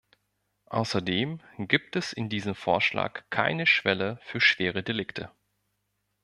Außerdem gibt es in diesem Vorschlag keine Schwelle für schwere Delikte.